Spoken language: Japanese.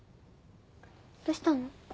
どうしたの？